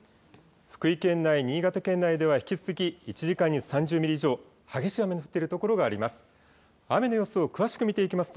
福井県内、新潟県内では引き続き、１時間に３０ミリ以上、激しい雨の降っている所があります。